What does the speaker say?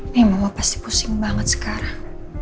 ini mama pasti pusing banget sekarang